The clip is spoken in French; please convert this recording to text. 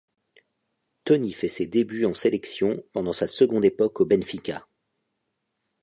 Toni fait ses débuts en sélection pendant sa seconde époque au Benfica.